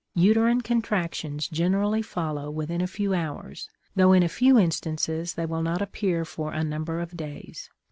Uterine contractions generally follow within a few hours, though in a few instances they will not appear for a number of days.